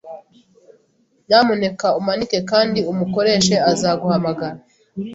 Nyamuneka umanike kandi umukoresha azaguhamagara.